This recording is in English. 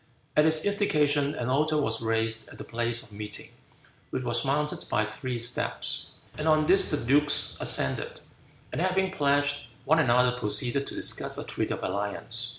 At his instigation, an altar was raised at the place of meeting, which was mounted by three steps, and on this the dukes ascended, and having pledged one another proceeded to discuss a treaty of alliance.